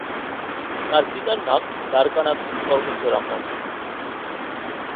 তাঁর পিতার নাম দ্বারকানাথ তর্কচূড়ামণি।